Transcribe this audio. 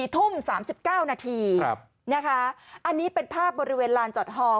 ทุ่ม๓๙นาทีนะคะอันนี้เป็นภาพบริเวณลานจอดฮอล